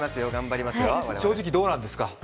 正直どうなんですか？